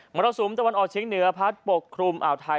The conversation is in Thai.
เมื่อเราสูมตะวันออกชิ้นเหนือพัดปกครุมอ่าวไทย